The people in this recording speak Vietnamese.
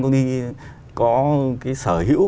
công ty có cái sở hữu